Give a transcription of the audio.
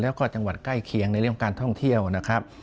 แล้วก็จังหวัดใกล้เคียงในเรื่องการท่องเที่ยวนะครับ